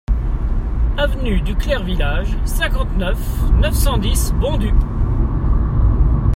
Avenue du Clair Village, cinquante-neuf, neuf cent dix Bondues